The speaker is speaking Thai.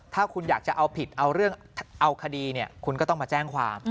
ถ้าคุณอยากจะเอาผิดเอาคดีคุณก็ต้องมาแจ้งความ